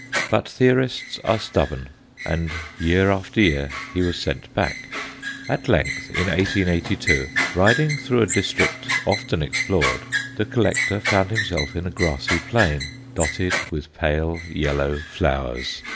But theorists are stubborn, and year after year he was sent back. At length, in 1882, riding through a district often explored, the collector found himself in a grassy plain, dotted with pale yellow flowers.